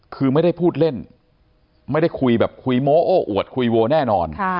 คือไม่ได้พูดเล่นไม่ได้คุยแบบคุยโม้โอ้อวดคุยโวแน่นอน